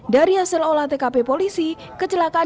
dari hasil olah tkp polisi kecelakaan